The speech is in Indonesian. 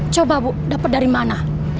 coba bu dapat dari mana